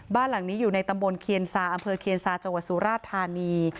บ้านหลังนี้อยู่ในตำบลเคียนซาอำเภอเคียนซาจังหวัดสุราชธานี